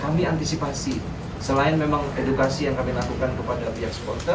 kami antisipasi selain memang edukasi yang kami lakukan kepada pihak supporter